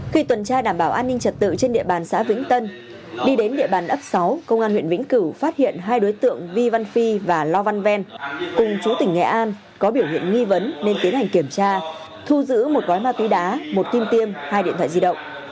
khi tuần tra đảm bảo an ninh trật tự trên địa bàn xã vĩnh tân đi đến địa bàn ấp sáu công an huyện vĩnh cửu phát hiện hai đối tượng vi văn phi và lo văn ven cùng chú tỉnh nghệ an có biểu hiện nghi vấn nên tiến hành kiểm tra thu giữ một gói ma túy đá một kim tiêm hai điện thoại di động